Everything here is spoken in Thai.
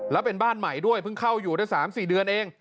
แล้วเป็นบ้านใหม่ด้วยเพิ่งเข้าอยู่ได้๓๔เดือนเอง